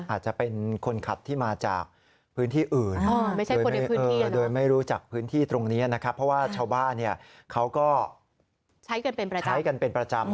อาจจะเป็นคนขับที่มาจากพื้นที่อื่นโดยไม่รู้จักพื้นที่ตรงนี้นะครับเพราะว่าชาวบ้านเขาก็ใช้กันเป็นประจำใช้กันเป็นประจำ